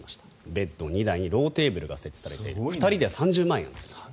ベッド２台にローテーブルが設置されて２人で３０万円する。